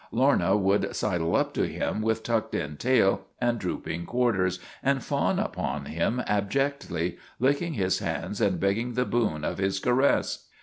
Lorna would sidle up to him with tucked in tail and drooping quarters, and fawn upon him ab jectly, licking his hand and begging the boon of his caress.